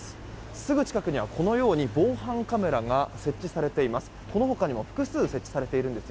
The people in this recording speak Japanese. すぐ近くには、防犯カメラが設置されています。